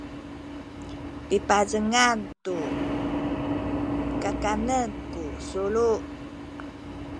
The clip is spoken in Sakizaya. pipazengan tu kakanen ku sulu